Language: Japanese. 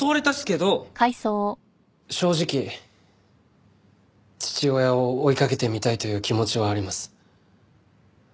正直父親を追いかけてみたいという気持ちはあります。